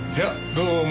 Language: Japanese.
どうも。